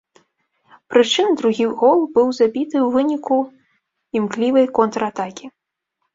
Прычым, другі гол быў забіты у выніку імклівай контратакі.